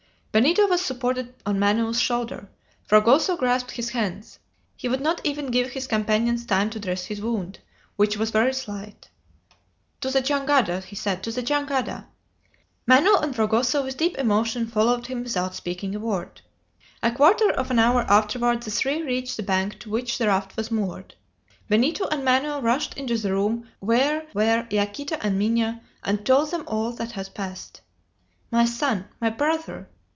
Benito was supported on Manoel's shoulder; Fragoso grasped his hands. He would not even give his companions time to dress his wound, which was very slight. "To the jangada!" he said, "to the jangada!" Manoel and Fragoso with deep emotion followed him without speaking a word. A quarter of an hour afterward the three reached the bank to which the raft was moored. Benito and Manoel rushed into the room where were Yaquita and Minha, and told them all that had passed. "My son!" "My brother!"